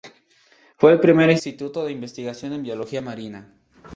Fue el primer instituto de investigación en biología marina.